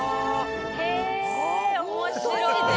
へえ面白い！